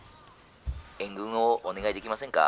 「援軍をお願いできませんか。